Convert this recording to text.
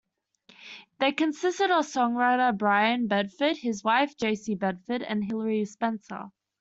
They consisted of songwriter Brian Bedford, his wife Jacey Bedford, and Hilary Spencer.